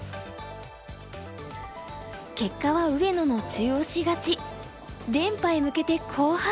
結果は上野の中押し勝ち。